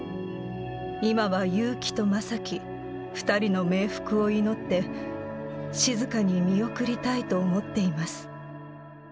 今は侑城と眞輝、２人の冥福を祈って、静かに見送りたいと思っています。